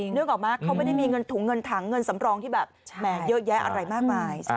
เนื่องออกมาเขาไม่ได้มีถุงเงินถังเงินสำรองที่แบบเยอะแยะอะไรมากบ่าย